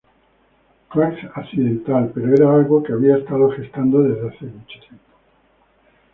Fue accidental, pero era algo que había estado gestando desde hace mucho tiempo".